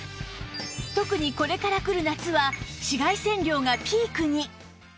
特にこれから来る夏は紫外線量がピークに！